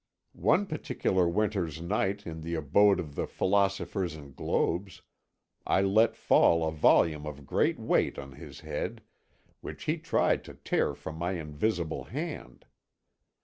"One particular winter's night in the abode of the philosophers and globes I let fall a volume of great weight on his head, which he tried to tear from my invisible hand.